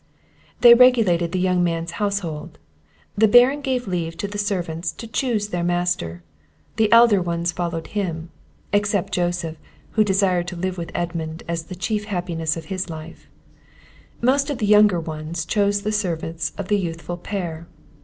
They regulated the young man's household; the Baron gave leave to the servants to choose their master; the elder ones followed him (except Joseph, who desired to live with Edmund, as the chief happiness of his life); most of the younger ones chose the service of the youthful pair.